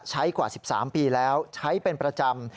กว่า๑๓ปีแล้วใช้เป็นประจำ